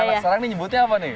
sekarang ini nyebutnya apa nih